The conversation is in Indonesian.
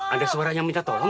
ada suara yang minta tolong